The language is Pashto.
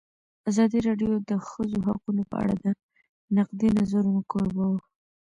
ازادي راډیو د د ښځو حقونه په اړه د نقدي نظرونو کوربه وه.